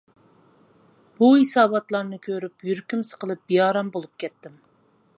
بۇ ھېساباتلارنى كۆرۈپ، يۈرىكىم سىقىلىپ بىئارام بولۇپ كەتتىم.